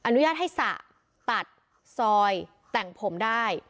อนุญาตให้สระตัดซอยแต่งผมได้